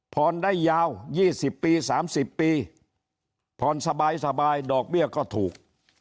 ผ่อนได้ยาวยี่สิบปีสามสิบปีผ่อนสบายสบายดอกเบี้ยก็ถูก